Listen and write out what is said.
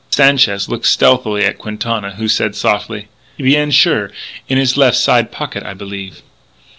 Sanchez looked stealthily at Quintana, who said softly: "Bien sure.... In his left side pocket, I believe."